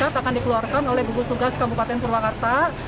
yang akan dikeluarkan oleh gugus tugas kabupaten purwakarta